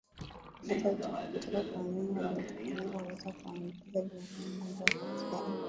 Kushika uchafu kutoka kwa wanyama waliotupa mimba huweza kuwaambukiza binadamu ugonjwa wa Brusela